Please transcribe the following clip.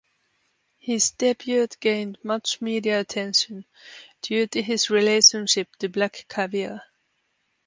His debut gained much media attention due to his relationship to Black Caviar.